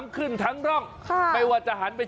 ขึ้นมั้ย